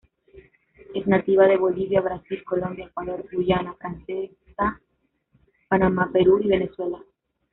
Es nativa de Bolivia, Brasil, Colombia, Ecuador, Guyana Francesa, Panamá, Perú y Venezuela.